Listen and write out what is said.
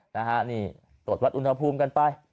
นะฮะนี่ตรวจวัดอุณหภูมิกันไป